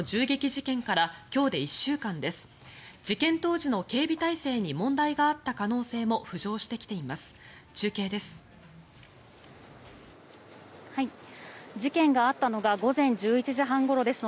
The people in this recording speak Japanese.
事件当時の警備態勢に問題があった可能性も浮上してきています。